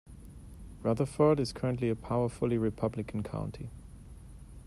Rutherford is currently a powerfully Republican county.